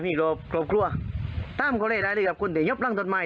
มีลูกกลัวครัวตามก็เลยได้เลยครับคนเดี๋ยวยับร่างตัดไม้